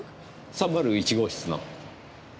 ３０１号室の。